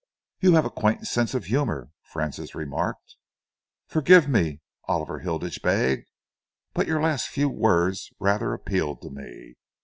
"You have a quaint sense of humour," Francis remarked. "Forgive me," Oliver Hilditch begged, "but your last few words rather appealed to me.